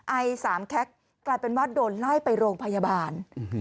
ไอสามแคคกลายเป็นว่าโดนไล่ไปโรงพยาบาล